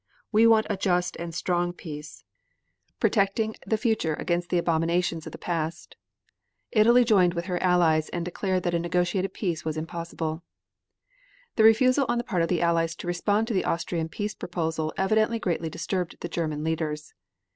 We want a just and a strong peace, protecting the future against the abominations of the past." Italy joined with her Allies and declared that a negotiated peace was impossible. The refusal on the part of the Allies to respond to the Austrian peace proposal evidently greatly disturbed the German leaders.